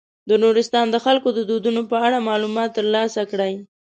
د نورستان د خلکو د دودونو په اړه معلومات تر لاسه کړئ.